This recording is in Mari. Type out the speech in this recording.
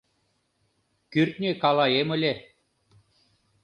— Кӱртньӧ калаем ыле.